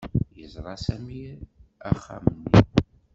Yeẓra Sami axxam-nni.